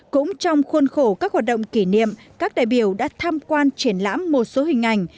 cũng trong khuôn khổ các hoạt động kỷ niệm các đại biểu đã tham quan triển lãm một số hình ảnh